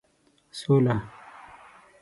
سوله